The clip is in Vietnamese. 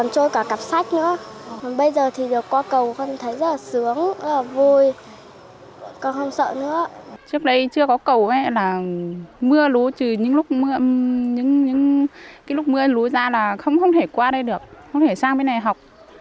trước đây chưa có cầu mưa lú trừ những lúc mưa lú ra là không thể qua đây được không thể sang bên này học